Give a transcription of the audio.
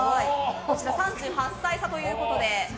３８歳差ということで。